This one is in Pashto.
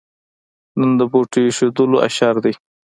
نن د بوټو اېښودلو اشر دی.